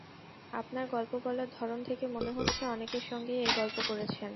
আপনার গল্প বলার ধরন থেকে মনে হচ্ছে অনেকের সঙ্গেই এই গল্প করেছেন।